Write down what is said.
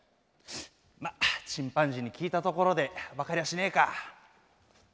まっチンパンジーに聞いたところで分かりゃしねえか。